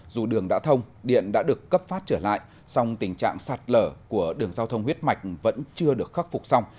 dù đường đã thông điện đã được cấp phát trở lại song tình trạng sạt lở của đường giao thông huyết mạch vẫn chưa được khắc phục xong